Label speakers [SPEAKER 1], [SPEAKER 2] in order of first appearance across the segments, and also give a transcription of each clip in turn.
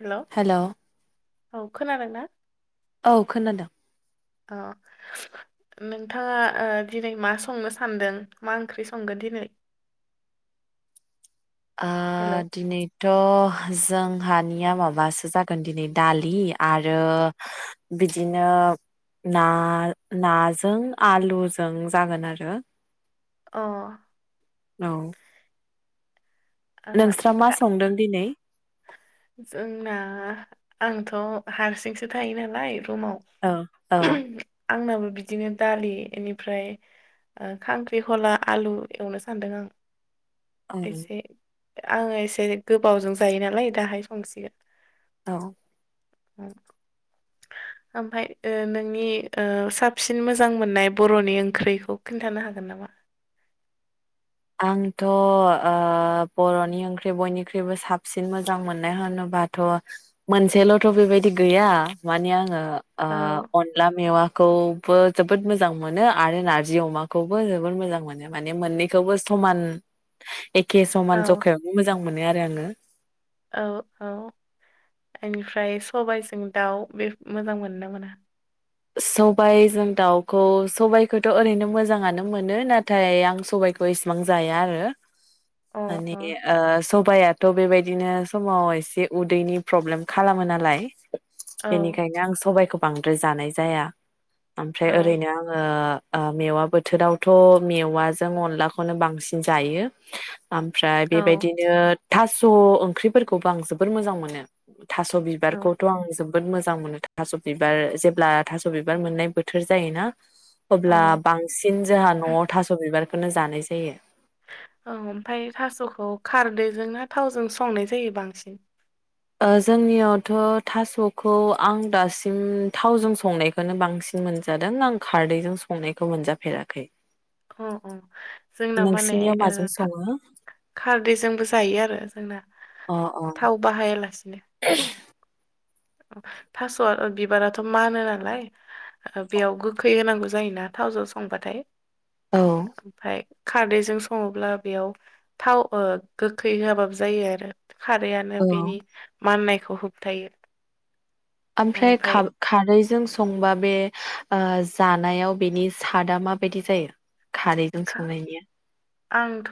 [SPEAKER 1] हेल'
[SPEAKER 2] hello
[SPEAKER 1] औ खोनादों ना?
[SPEAKER 2] औ खोनादों।
[SPEAKER 1] अ नोंथाङा ओ दिनै मा संनो सानदों मा ओंख्रि संगोन दिनै?
[SPEAKER 2] ओ
[SPEAKER 1] हेल' अ
[SPEAKER 2] दिनैथ' जों हानिया माबासो जागोन दिनै दालि आरो बिदिनो ना नाजों आलुजों जागोन आरो
[SPEAKER 1] अ
[SPEAKER 2] औ
[SPEAKER 1] आ,
[SPEAKER 2] नोंस्रा मा
[SPEAKER 1] ओमफ्राय
[SPEAKER 2] संदों दिनै?
[SPEAKER 1] जोंना आंथ' हारसिंसो थायो नालाय। रुमाव
[SPEAKER 2] औ औ
[SPEAKER 1] आंनाबो बि बिदिनो दालि बेनिफ्राय ओ खांख्रिखला आलु एवनो सान्दों आं।
[SPEAKER 2] औ
[SPEAKER 1] एसे आङो एसे गोबावजों जायो नालाय दाहाय संसिगोन।
[SPEAKER 2] औ
[SPEAKER 1] ओमफ्राय ओ नोंनि साबसिन मोजां मोननाय बर'नि ओंख्रिखौ खिन्थानो हागोन नामा?
[SPEAKER 2] आंथ' ओ बर'नि ओंख्रि बयनिख्रुइबो साबसिन मोजां मोननाय होनोबाथ' मोनसेल'थ' बेबायदि गैया माने आङो
[SPEAKER 1] औ
[SPEAKER 2] ओ अनला मेवाखौ बो जोबोर मोजां मोनो आरो नारजि अमाखौबो जोबोर मोजां मोनो माने मोननै बेखौबो समान एखे समान
[SPEAKER 1] औ
[SPEAKER 2] जखायावनो मोजां मोनो आरो आङो,
[SPEAKER 1] य सबाइजों दाउ बे मोजां मोनो ना मोना?
[SPEAKER 2] सबायाइजों दाउखौ सबायाइखौथ' ओरैनो मोजाङानो मोनो नाथाय आं सबाइखौ इसिबां जाया आरो।
[SPEAKER 1] अ अ
[SPEAKER 2] आनेगे ओ सबाइ आ थ' बेबायदिनो समाव एसे उदैनि प्रब्लेम खालामो नालाय
[SPEAKER 1] औ
[SPEAKER 2] बेनिखायनो आं सबायखौ बांद्राय जानाय जाया ओमफ्राय
[SPEAKER 1] औ
[SPEAKER 2] ओरैनो आङो ओ मेवा बोथोरावथ' मेवाजों अनलाखौनो बांसिन जायो। ओमफ्राय
[SPEAKER 1] औ
[SPEAKER 2] बेबायदिनो थास' ओंख्रिफोरखौबो आं जोबोर मोजां मोनो। थास'
[SPEAKER 1] औ
[SPEAKER 2] बिबारखौथ' आं जोब बोद मोजां मोनो थास' बिबार जेब्ला थास' बिबार मोननाय बोथोर जायो ना। अब्ला बांसिन जोंहा न'थास' बिबार बेखौनो जानाय जायो।
[SPEAKER 1] औ ओमफाय थास'खौ खारदैजों ना थावजों संनाय जायो बांसिन
[SPEAKER 2] ओ जोंनियावथ' थास'खौ आं दासिम थावजों संनायखौनो बांसिन मोनजादों आं खारदैजों संनायखौ मोनजाफेराखै
[SPEAKER 1] अ अ जोंना माने
[SPEAKER 2] नोंसिनियाव माजों
[SPEAKER 1] ओ था
[SPEAKER 2] सङो
[SPEAKER 1] खारदैजोंबो जायो आरो जोंना
[SPEAKER 2] अ
[SPEAKER 1] थाव बाहायालासे नि थास'आ बिबाराथ' मानो नालाय बेयाव गोखै होनांगौ जायोना थावजों संबाथाय
[SPEAKER 2] औ
[SPEAKER 1] ओमफाय खारदैजों सङोब्ला बेयाव थाव ओ गोखै होबाब जायो आरो खारैआनो
[SPEAKER 2] औ
[SPEAKER 1] बेनि माननाय ह हुबथायो
[SPEAKER 2] ओमफ्राय खा-खारै जों संबा बे ओ जानायाव बेनि सादआ माबायदि जायो खारैजों
[SPEAKER 1] खा
[SPEAKER 2] संनायनिया
[SPEAKER 1] आंथ'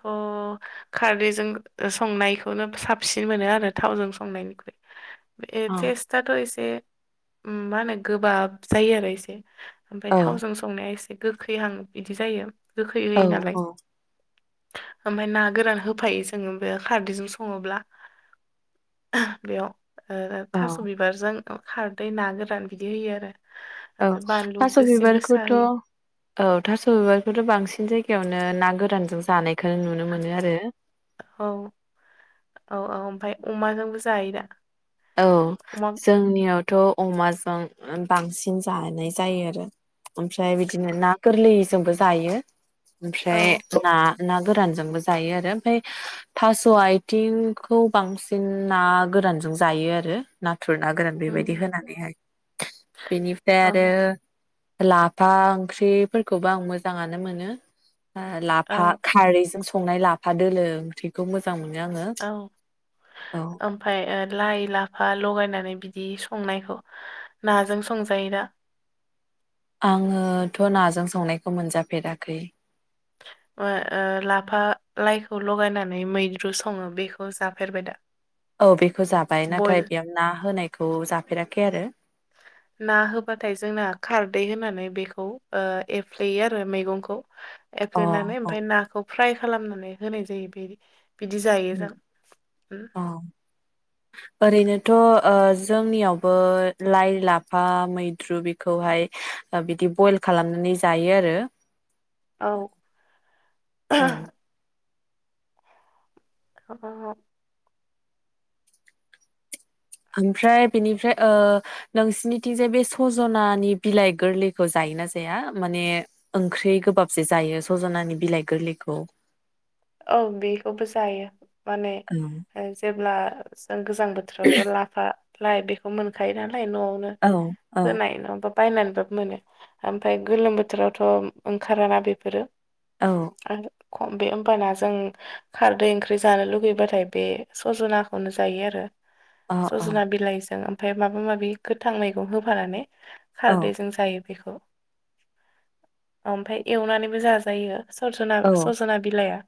[SPEAKER 1] खारदैजों संनायखौनो साबसिन मोनो आरो थावजों संनायनिख्रुइ ए
[SPEAKER 2] औ
[SPEAKER 1] टेस्त आथ' एसे ओम मा होनो गोबाब जायो आरो इसे ओमफाय
[SPEAKER 2] औ
[SPEAKER 1] थावजों संनाया एसे गोखैहां इदि जायो गोखै होयो
[SPEAKER 2] औ
[SPEAKER 1] नालाय ओमफाय ना गोरान होफायो जोङो खारदैजों सङोब्ला बेयाव ओ
[SPEAKER 2] औ
[SPEAKER 1] थास' बिबारजों खारदै ना गोरान बिदि होयो आरो‌
[SPEAKER 2] औ थास' बिबारखौथ'
[SPEAKER 1] होयो
[SPEAKER 2] औ थास' बिबारखौथ' बांसिन जायगायावनो ना गोरानजों जानाय। खो नुनो मोनो आरो
[SPEAKER 1] औ औ औ ओमफ्राय अमाजोंबो जायोदा?
[SPEAKER 2] औ जोंनियाव। थ' अमाजों बांसिन जानाय जायो आरो ओमफ्राय बिदिनो ना गोरलैजोंबो जायो।
[SPEAKER 1] औ
[SPEAKER 2] ओमफ्राय ना। ना गोरानजोंबो जायो आरो ओमफ्राय थास' आथिंखौ बांसिन ना गोरानजों जा जायो आरो ना। थुरना गोरान बेबायदि
[SPEAKER 1] उम
[SPEAKER 2] होनानैहाय बेनिफ्राय
[SPEAKER 1] औ
[SPEAKER 2] आरो लाफा ओंख्रिफोरखौबो आं मोजाङानो मोनो।
[SPEAKER 1] औ
[SPEAKER 2] लाफा खारैजों संनाय लाफा दोलो ओंख्रिखौ मोजां मोनो आङो
[SPEAKER 1] औ
[SPEAKER 2] औ
[SPEAKER 1] ओमफ्राय ओ लाइ लाफा लगायनानै बिदि संनायखौ नाजों संजायो दा?
[SPEAKER 2] आङोथ' नाजों संनायखौ मोनजाफेराखै।
[SPEAKER 1] ओ ओ लाफा लाइखौ लगायनानै मैद्रु सङो बेखौ जाफेरबाय दा?
[SPEAKER 2] औ बे। खौ जाबाय नाथाय
[SPEAKER 1] बयल
[SPEAKER 2] बेयाव ना होनायखौ जाफेराखै आरो।
[SPEAKER 1] ना होबाथाय जोंना खारदै होनानै बेखौ एफ्लेयो आरो मैगंखौ।
[SPEAKER 2] अ
[SPEAKER 1] एफ्लेनानै
[SPEAKER 2] अ
[SPEAKER 1] ओमफाय नाखौ। फ्राय खालामनानै होनाय जायो बे। बिदि जायो
[SPEAKER 2] ओम
[SPEAKER 1] जों उम,
[SPEAKER 2] अ ओरैनो थ' जोंनियावबो लाइ लाफा मैद्रु बेखौहाय बिदि बयल खालामनानै जायो आरो।
[SPEAKER 1] औ।
[SPEAKER 2] औ
[SPEAKER 1] अ
[SPEAKER 2] ओमफ्राय बेनिफ्राय ओ‌ नोंसिनिथिंजाय बे सजनानि बिलाइ गोरलैखौ जायोना जाया माने ओंख्रि गोबाब‌ जे जायो सजनानि बिलाइ गोरलैखौ।
[SPEAKER 1] औ बेखौबो जायो माने
[SPEAKER 2] औ
[SPEAKER 1] ओ जेब्ला औ। ओ गोजां बोथोरावथ' लाफा लाइ बेखौ मोनखायो नालाय। नाय न'आवनो
[SPEAKER 2] औ औ
[SPEAKER 1] फोनाय नङाबा बायनानैबो मोनो ओमफफ्राय गोलोम बोथोरावथ' ओंखाराना बेफोरो।
[SPEAKER 2] औ
[SPEAKER 1] आरो खम बे। होमबाना जों खारदै ओंख्रि जानो लुगैबाथाय बे सजनाखौनो जायो आरो।
[SPEAKER 2] औ
[SPEAKER 1] सजना बिलाइजों ओमफ्राय माबा माबि गोथां मैगं होफानानै
[SPEAKER 2] औ
[SPEAKER 1] खारदैजों जायो। बेखौ ओमफ्राय एवनानैबो जाजायो। सजना
[SPEAKER 2] औ
[SPEAKER 1] सजना बिलाइआ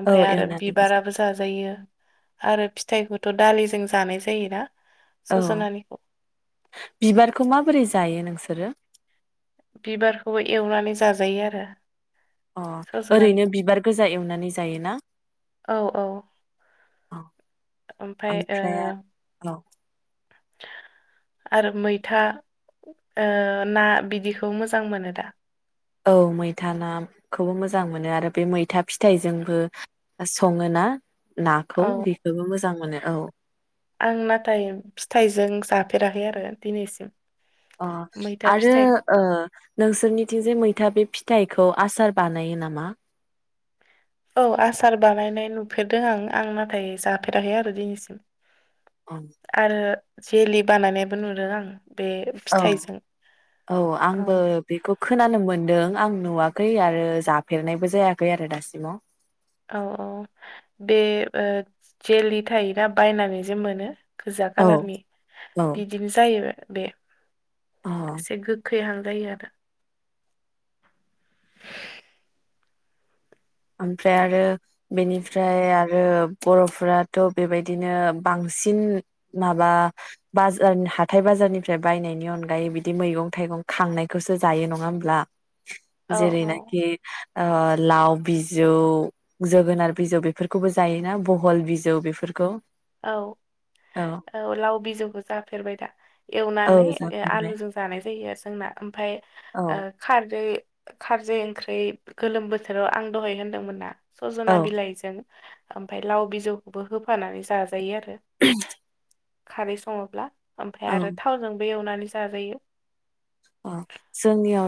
[SPEAKER 1] ओमफ्राय
[SPEAKER 2] औ
[SPEAKER 1] आरो
[SPEAKER 2] एवनानैबो जा
[SPEAKER 1] बिबाराबो जाजायो। बियो आरो फिथाइखौथ' दालिजों जानाय जायोना?
[SPEAKER 2] औ
[SPEAKER 1] सज'नानिखौ
[SPEAKER 2] बिबारखौ माबोरै जायो नोंसोरो?
[SPEAKER 1] बिबारखौबो एवनानै जाजायो आरो।
[SPEAKER 2] अह ओरैनो
[SPEAKER 1] सज'नानिखौ
[SPEAKER 2] बिबार गोजा एवनानै जायोना
[SPEAKER 1] औ औ
[SPEAKER 2] औ ओमफ्राय औ।
[SPEAKER 1] आरो मैथा ओ ना बिदिखौ मोजां मोनो दा?
[SPEAKER 2] औ मैथा नाखौबो मोजां मोनो आरो बे मैथा फिथाइजोंबो सङो ना?
[SPEAKER 1] औ आं नाथाय फिथाइजों जा फेराखै आरो दिनैसिम।
[SPEAKER 2] अह
[SPEAKER 1] मैथा
[SPEAKER 2] आरो
[SPEAKER 1] फिथाइखौ
[SPEAKER 2] ओ नोंसोरनिथिं जे मैथा बे फिथाइखौ आसार बानायो नामा?
[SPEAKER 1] औ आसार बानायनाय नुफेरदों आं आं नाथाय जाफेराखै आरो दिनैसिम।
[SPEAKER 2] अ
[SPEAKER 1] आरो जेलि बानायनायबो नुदों आं। बे
[SPEAKER 2] औ
[SPEAKER 1] फिथाइजों
[SPEAKER 2] औ आंबो बेखौ खोनानो मोनदों आं नुवा खै आरो जाफेरनायबो जायाखै आरो दासिमाव।
[SPEAKER 1] औ औ बे ओ जेलि थायोना बायनानै जे मोनो। गोजा
[SPEAKER 2] औ
[SPEAKER 1] कालारनि
[SPEAKER 2] औ
[SPEAKER 1] बिदिनो जायो। बेे
[SPEAKER 2] अ
[SPEAKER 1] एसे गोख बेहांजायो आरो
[SPEAKER 2] ओमफ्राय आरो बेनिफ्राय आरो बर'फोराथ बेबायदिनो बांसिन माबा बाजार हाथाइ बाजारनिफ्राय बायनायनि अनगायै बिदि मैगं थाइगं खांनायखौसो जायो नङा होमब्ला?
[SPEAKER 1] औ
[SPEAKER 2] जेरै
[SPEAKER 1] औ
[SPEAKER 2] नाखि ओ लाउ बिजौ जोगोनार बिजौ बेफोरखौबो जायोना बहल बिजौ बेफोरखौ
[SPEAKER 1] औ औ लाव बिजौखौ जाफेरबाय दा
[SPEAKER 2] औ
[SPEAKER 1] एवनानै
[SPEAKER 2] जाफेरबाय
[SPEAKER 1] आलुजों जानाय जायो आरो जोंना ओमफ्राय
[SPEAKER 2] औ
[SPEAKER 1] ओ खारदै खारदै ओंख्रि गोलोम बोथोराव आं दहाय होनदोंमोन ना। सजना
[SPEAKER 2] औ
[SPEAKER 1] बिलाइजों ओमफ्राय लाव बिजौखौबो होफानानै जाजा जायो आरो। द खारै सङोब्ला ओमफ्राय
[SPEAKER 2] औ
[SPEAKER 1] आरो थावजोंबो एवनानै जाजायो।
[SPEAKER 2] अ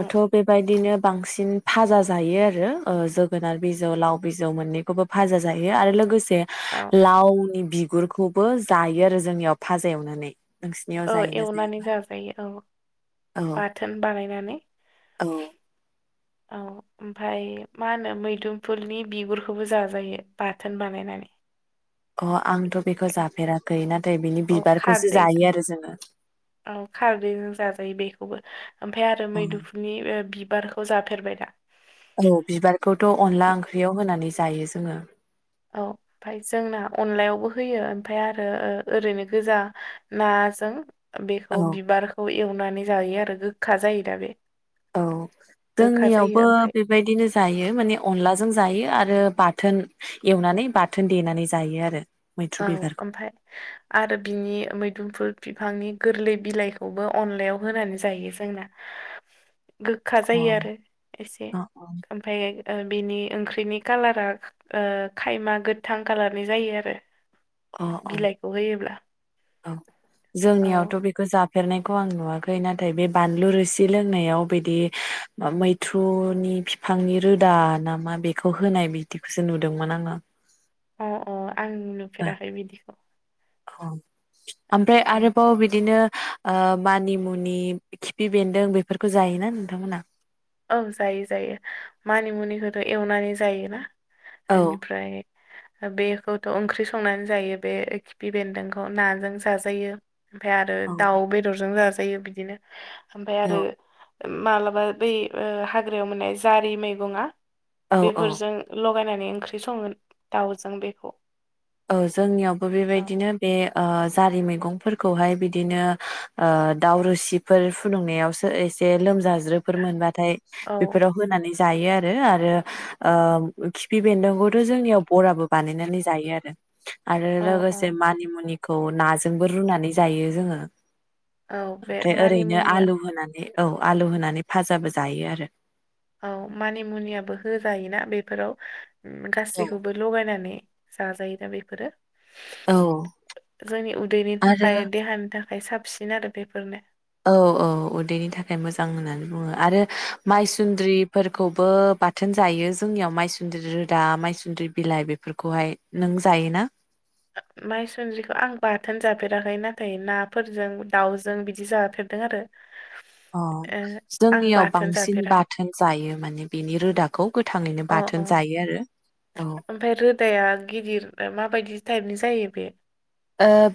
[SPEAKER 1] उम,
[SPEAKER 2] बेबायदिनो बांसिन फाजा जायो आरो जोगोनार बिजौ लाव बिजौ मोन्नैखौबो फाजा जायो आरो लोगोसे
[SPEAKER 1] औ
[SPEAKER 2] बे लावनि बिगुरखौबो जायो आरो जोंनियाव फाजा एवनानै। नोंसिनियाव
[SPEAKER 1] औ
[SPEAKER 2] जायोना
[SPEAKER 1] एवनानै
[SPEAKER 2] जाया
[SPEAKER 1] जाजायो औ।
[SPEAKER 2] औ
[SPEAKER 1] बाथोन बानायनानै।
[SPEAKER 2] औ
[SPEAKER 1] औ ओमफ्राय मा होनो मैदुफुलनि बिगुरखौबो जाजायो बाथोन बानायनानै।
[SPEAKER 2] अ आंथ' बेखौ
[SPEAKER 1] औ
[SPEAKER 2] जाफेराखै ना
[SPEAKER 1] औ खारदैजों औ खारदैजों जाजायो बेखौ। खौबो ओमफ्राय आरो
[SPEAKER 2] औ
[SPEAKER 1] मैदुफुलनि बि बिबारखौ जाफेरबाय दा?
[SPEAKER 2] औ बिबारखौथ' अनला
[SPEAKER 1] बि-
[SPEAKER 2] ओंख्रियाव होनानै ज जायो जोङो।
[SPEAKER 1] औ ओमफफ्राय जोंना अनलायावबो होयो ओमफ्राय आरो ओरैनो गोजा नाजों बेखौ
[SPEAKER 2] औ
[SPEAKER 1] बिबारखौ एवना सुनानै जायो आरो गोखा जायो दा बे।
[SPEAKER 2] औ
[SPEAKER 1] गोखा जायो
[SPEAKER 2] जोंनियावबो
[SPEAKER 1] ओमफाय
[SPEAKER 2] बेबायदिनो जायो माने अनलाजों जायो आरो बाथोन एवनानै बाथोन देनानै जायो आरो। मैथ्रु
[SPEAKER 1] औ
[SPEAKER 2] बिबारखौ
[SPEAKER 1] ओमफ्राय आरो बिनि मैदुफुल बिफांनि गोरलै बिलाइखौबो अनलायाव होनानै जायो जोंना। गोखा जायो आरो एसे
[SPEAKER 2] अ
[SPEAKER 1] ओमफायो ओ बिनि ओंख्रिनि कालारा ओ खायमा गोथां खालारनि जायो आरो
[SPEAKER 2] अ अ
[SPEAKER 1] बिलाइखौ होयोब्ला
[SPEAKER 2] औ
[SPEAKER 1] औ
[SPEAKER 2] जोंनियावथ' बेखौ जा फेरनायखौ आं नुवाखै नाथाय बे बानलु रोसि लोंनायाव बिदि ओ मैथ्रुनि फिफांनि रोदा नामा बेखौ होनाय बिदिखौसो नुदोंमोन आङो।
[SPEAKER 1] अ अ। आं नुफेराखै बिदिखौ।
[SPEAKER 2] [unintelligible] आमफ्राय
[SPEAKER 1] औ
[SPEAKER 2] आरोबाव बिदिनो ओ मानिमुनि खिफि बेन्दों बेफोरखौ जायोना नोंथांमोना?
[SPEAKER 1] ओं जायो जायो मानि मुनिखौथ' एवनानै जायोना?
[SPEAKER 2] औ
[SPEAKER 1] बेनिफ्राय बेखौथ' ओंख्रि संनानै जायो बे खिफि बेन्दोंखौ नाजों जाजायो। ओमफ्राय आरो
[SPEAKER 2] औ
[SPEAKER 1] दाउ बेदरजों जा जायो बिदिनो। ओमफ्राय
[SPEAKER 2] औ
[SPEAKER 1] आरो मालाबा बै ओ हाग्रायाव मोननाय जारि मैगंआ
[SPEAKER 2] औ औ
[SPEAKER 1] बेफोरजों लगायनानै [unintelligible] ओंख्रि संगोन दाउजों बेखौ।
[SPEAKER 2] औ जोंनियावबो
[SPEAKER 1] औ
[SPEAKER 2] बेबायदिनो बे ओ जारि मैगंफोरखौहाय बिदिनो ओ दाउ रोसिफोर फुदुंनायावसो एसे लोमजा ज्रो फोर मोनबाथाय
[SPEAKER 1] औ
[SPEAKER 2] बेफोराव होनानै जायो आरो आरो ओ खिफि बेन्दोंखौथ' जोंनियाव बराबो बानायनानै जायो आरो। आरो
[SPEAKER 1] अ अ
[SPEAKER 2] लोगोसे मानिमुनि खौ नाजोंबो रुनानै जायो जोङो।
[SPEAKER 1] औ बे
[SPEAKER 2] ओमफ्राय ओरैनो
[SPEAKER 1] मानिमुनिया
[SPEAKER 2] आलु होनानै औ आलु होनानै भाजाबो जायो आरो
[SPEAKER 1] औ मानि मुनियाबो होजायोना बेफोराव उम
[SPEAKER 2] औ
[SPEAKER 1] गासैखौबो लगायनानै जाजायोना बेफोरो?
[SPEAKER 2] औ
[SPEAKER 1] जोंनि उदैनि
[SPEAKER 2] आरो
[SPEAKER 1] थाखाय देहानि थाख साबसिन आरो बेफोरनो।
[SPEAKER 2] औ औ उदैनि थाखाय मोजां होननानै बुङो आरो
[SPEAKER 1] औ
[SPEAKER 2] माइसुन्द्रिफोरखौ। बो बाथोन जायो जोंनियाव मायसुन्द्रि रोदा मायसुन्द्रि बिलाइ बेफोरखौहाय। नों जायोना?
[SPEAKER 1] माइसुनद्रिखौ आं बाथोन जाफेराखै नाथाय, नाफोरजों दाउजों बिदि जाफेरदों आरो।
[SPEAKER 2] अ
[SPEAKER 1] ओ, आं
[SPEAKER 2] जोंनियाव
[SPEAKER 1] बाथोन
[SPEAKER 2] बांसिन
[SPEAKER 1] जाफेराखै
[SPEAKER 2] बाथोन जायो। माने बेनि रोदाखौ। गोथाङैनो
[SPEAKER 1] अ
[SPEAKER 2] बाथोन
[SPEAKER 1] अ
[SPEAKER 2] जायो आरो औ
[SPEAKER 1] ओमफ्राय रोदाया गिदिर माबायदि? टाइपनि जायो बे?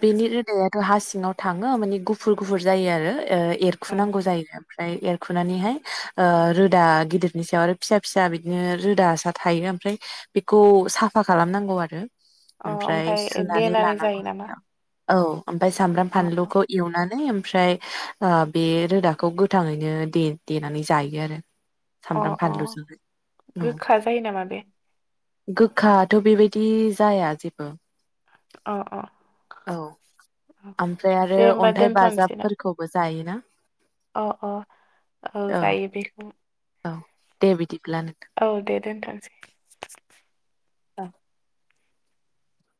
[SPEAKER 2] बेनि रोदायाथ' हा सिङाव थाङो माने गुफुर गुफुर जायो आरो।
[SPEAKER 1] औ
[SPEAKER 2] एरखुनांगौ जायो। ओमफ्राय एरखुनानैहाय, रोदा गिदिरनि सायाव आरो फिसा फिसा बिदिनो रोदा सा थायो ओमफ्राय बेखौ साफा खालामनांगौ आरो।
[SPEAKER 1] अ
[SPEAKER 2] ओमफ्राय
[SPEAKER 1] ओमफफ्राय
[SPEAKER 2] सुनानै
[SPEAKER 1] देनानै
[SPEAKER 2] लानांगौ
[SPEAKER 1] जायो नामा?
[SPEAKER 2] बेयाव। औ। ओमफफ्राय सामब्राम
[SPEAKER 1] अ अ
[SPEAKER 2] फानलुखौ एवनानै। ओमफ्राय बे रोदाखौ गोथाङैनो देनानै जायो आरो।
[SPEAKER 1] अ
[SPEAKER 2] सामब्राम
[SPEAKER 1] अ
[SPEAKER 2] फानलुजोंहाय
[SPEAKER 1] गोखा जायो नामा बे?
[SPEAKER 2] गोखााथ' बेबायदि जाया जेबो।
[SPEAKER 1] अ अ।
[SPEAKER 2] औ।
[SPEAKER 1] अ
[SPEAKER 2] ओमफ्राय आरो
[SPEAKER 1] दे होमबा
[SPEAKER 2] अन्थाइ
[SPEAKER 1] दोनथ'नोसै ना
[SPEAKER 2] बाजाबफोरखौबो जायोना।
[SPEAKER 1] अ अ औ जायो बेखौ।
[SPEAKER 2] औ दे बिदि
[SPEAKER 1] औ दे दोनथ'सै।
[SPEAKER 2] औ।